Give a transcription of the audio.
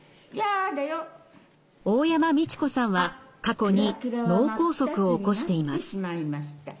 大山実知子さんは過去に脳梗塞を起こしています。